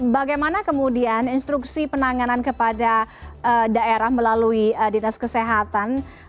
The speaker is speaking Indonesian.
bagaimana kemudian instruksi penanganan kepada daerah melalui dinas kesehatan